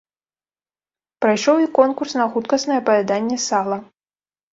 Прайшоў і конкурс на хуткаснае паяданне сала.